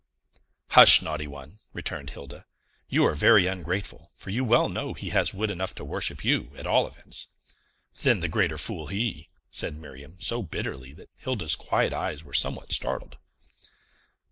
"Hush, naughty one!" returned Hilda. "You are very ungrateful, for you well know he has wit enough to worship you, at all events." "Then the greater fool he!" said Miriam so bitterly that Hilda's quiet eyes were somewhat startled.